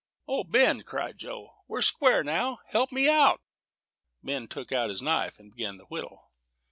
"O, Ben," cried Joe, "we're square now; help me out." Ben took out his knife, and began to whittle.